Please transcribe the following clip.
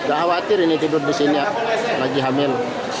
gak khawatir ini tidur di sini lagi hamil